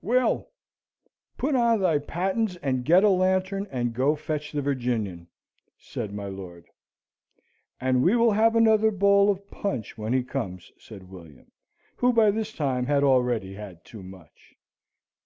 "Will! Put on thy pattens and get a lantern, and go fetch the Virginian," said my lord. "And we will have another bowl of punch when he comes," says William, who by this time had already had too much.